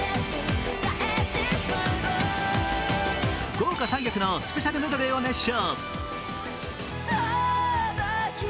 豪華３曲のスペシャルメドレーを熱唱。